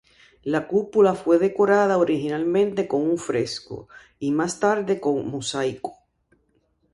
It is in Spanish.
La cúpula fue decorada originalmente con un fresco, y más tarde con mosaico.